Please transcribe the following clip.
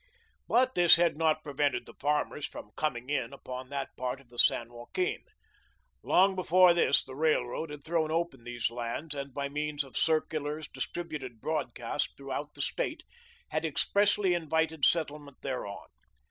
But this had not prevented the farmers from "coming in" upon that part of the San Joaquin. Long before this the railroad had thrown open these lands, and, by means of circulars, distributed broadcast throughout the State, had expressly invited settlement thereon.